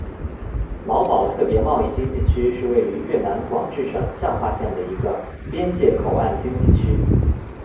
劳保特别贸易经济区是位于越南广治省向化县的一个边界口岸经济区。